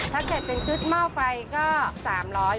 ถ้าเกิดเป็นชุดหม้อไฟก็๓๐๐บาท